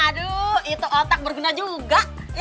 aduh itu otak berguna juga